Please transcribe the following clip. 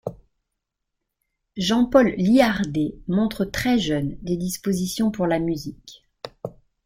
Jean-Paul Liardet montre très jeune des dispositions pour la musique.